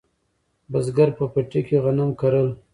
بزګر په پټي کې غنم کرل